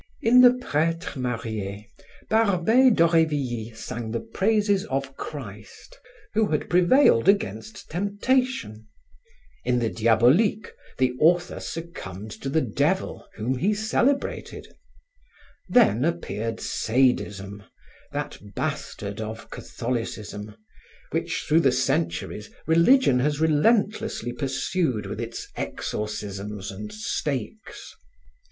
In the Pretre marie, Barbey d'Aurevilly sang the praises of Christ, who had prevailed against temptations; in the Diaboliques, the author succumbed to the Devil, whom he celebrated; then appeared sadism, that bastard of Catholicism, which through the centuries religion has relentlessly pursued with its exorcisms and stakes.